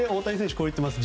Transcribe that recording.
こう言っています。